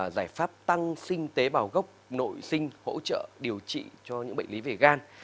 giải pháp tăng sinh tế bào gốc nội sinh hỗ trợ điều trị cho những bệnh lý về gan